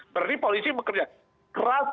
berarti polisi bekerja keras